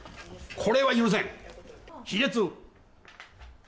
これは許せん！